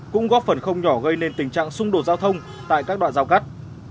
cũng góp phần không nhỏ gây nên tình trạng xung đột giao thông tại các đoạn giao cắt